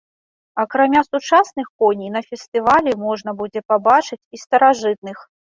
Акрамя сучасных коней на фестывалі можна будзе пабачыць і старажытных.